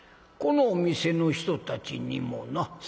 このお店の人たちにもな。